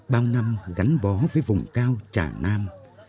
bao năm gắn bó với vùng cao trà nam